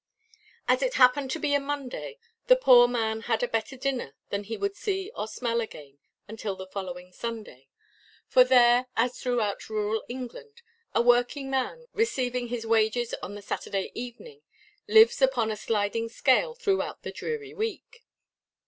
As it happened to be a Monday, the poor man had a better dinner than he would see or smell again until the following Sunday. For there, as throughout rural England, a working man, receiving his wages on the Saturday evening, lives upon a sliding scale throughout the dreary week.